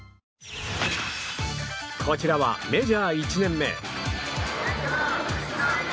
こちらはメジャー１年目。